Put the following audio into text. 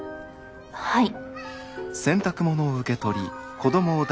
はい。